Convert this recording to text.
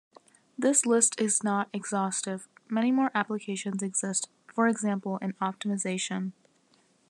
This list is not exhaustive: many more applications exist, for example in optimization.